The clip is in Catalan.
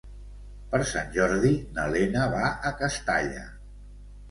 Per Sant Jordi na Lena va a Castalla.